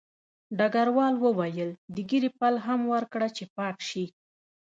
ډګروال وویل د ږیرې پل هم ورکړه چې پاک شي